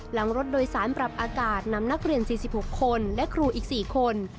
หลังรถโดยสารปรับอากาศนำนักเรียน๔๖คนและครูอีก๔คน